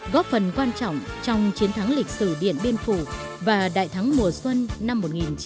góp phần quan trọng trong chiến thắng lịch sử điện biên phủ và đại thắng mùa xuân năm một nghìn chín trăm bảy mươi năm